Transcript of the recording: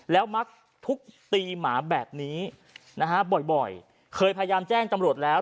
แล้วมักทุบตีหมาแบบนี้นะฮะบ่อยเคยพยายามแจ้งตำรวจแล้ว